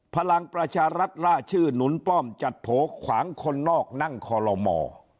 พลังประชารัฐล่าชื่อหนุนป้อมจัดโผล่ขวางคนนอกนั่งคอลโลม